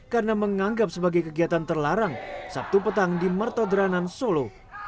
karena menganggap sebagai kegiatan terlarang sabtu petang di mertodranan solo